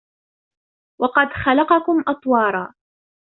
وقد خلقكم أطوارا